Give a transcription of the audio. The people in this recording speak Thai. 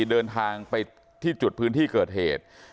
เดินทางไปที่จุดพื้นที่เกิดเหตุ